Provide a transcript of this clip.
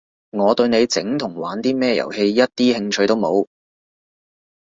我對你整同玩啲咩遊戲一啲興趣都冇